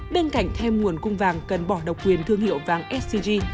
bên cạnh thêm nguồn cung vàng cần bỏ độc quyền thương hiệu vàng scg